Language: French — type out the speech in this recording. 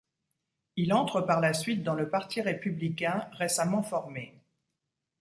Il entre par la suite dans le parti républicain récemment formé.